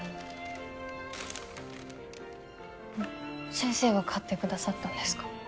先生が買ってくださったんですか？